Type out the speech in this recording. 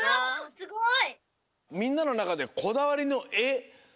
すごい。